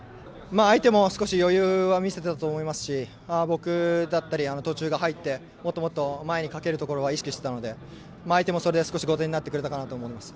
相手も少し余裕を見せたと思いますし僕だったり、途中から入ってもっともっと前にかけることを意識していたので相手もそれで少し後手になってくれたかなと思います。